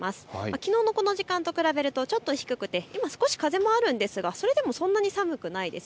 きのうのこの時間と比べるとちょっと低くて今、少し風もあるんですが、それでもそんなに寒くないです。